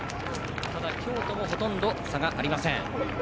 京都もほとんど差がありません。